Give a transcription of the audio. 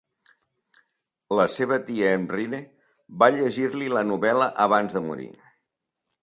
La seva tia Emrine va llegir-li la novel·la abans de morir.